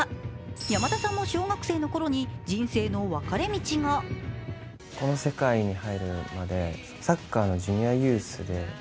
山田さんも小学生のころに人生の分かれ道が映画は来月公開です。